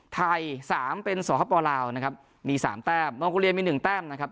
สามเป็นสหพปลาวนะครับมีสามแต้มมองโกเลียมีหนึ่งแต้มนะครับ